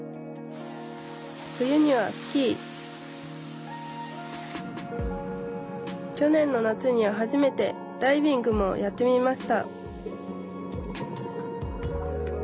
冬にはスキー去年の夏には初めてダイビングもやってみました！